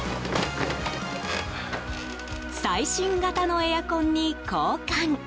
最新型のエアコンに交換！